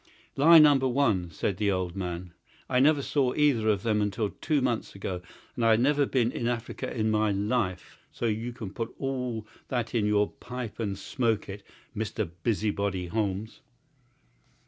"Lie number one," said the old man; "I never saw either of them until two months ago, and I have never been in Africa in my life, so you can put that in your pipe and smoke it, Mr. Busybody Holmes!"